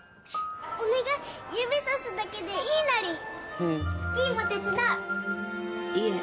お願い指差すだけでいいなり希衣も手伝ういえ